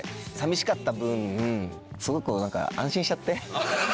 寂しかった分すごく安心しちゃって。